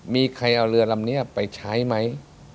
มีใครเอาเรือลำนี้ไปใช้ไหม